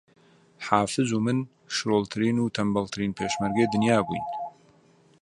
حافز و من شڕۆڵترین و تەنبەڵترین پێشمەرگەی دنیا بووین